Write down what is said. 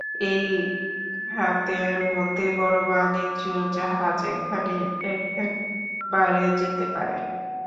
এই খাতের মধ্যে বড় বাণিজ্য-জাহাজ একখানি একবারে যেতে পারে।